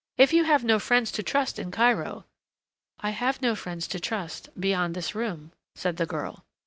"If you have no friends to trust in Cairo " "I have no friends to trust beyond this room," said the girl.